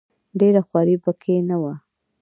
ډېره خواري په کې نه وه.